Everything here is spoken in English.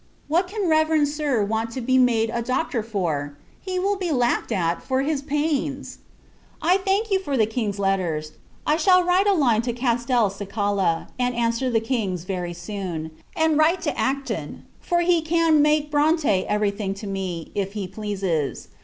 What can Reverend Sir want to be made a Doctor for? He will be laughed at, for his pains! I thank you for the King's letters, I shall write a kind line to Castelcicala, and answer the King's, very soon: and, write to Acton; for he can make Bronte every thing to me, if he pleases.